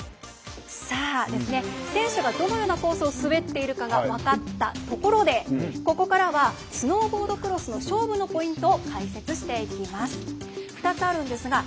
選手がどのようなコースを滑っているか分かったところでここからはスノーボードクロスの勝負のポイントを解説していきます。